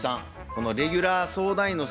このレギュラー相談員の席